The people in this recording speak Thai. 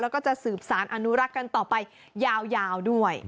แล้วก็จะสืบสารอนุรักษ์กันต่อไปยาวด้วย